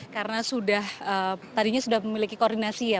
karena sudah tadinya sudah memiliki koordinasi ya